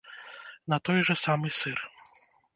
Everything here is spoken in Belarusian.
На той жа самы сыр.